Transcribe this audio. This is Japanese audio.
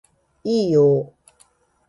いいよー